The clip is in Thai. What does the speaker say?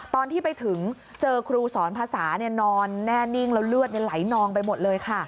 ตอนที่ไปถึงเจอครูสอนภาษานอนแน่นิ่งแล้วเลือดไหลนองไปหมดเลยค่ะ